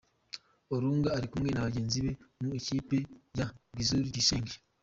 Olunga ari kumwe na bagenzi be mu ikipe ya Guizhou Zhicheng.